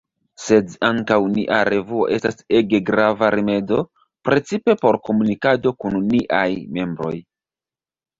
Sed ankaŭ nia revuo restas ege grava rimedo, precipe por komunikado kun niaj membroj.